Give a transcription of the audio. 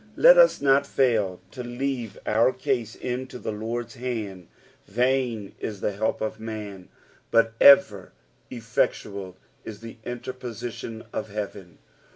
Let us not fail to leave our case into ttie Lord's hand. Vain is the belp of man, but ever eSectoal is the interposition of heaven.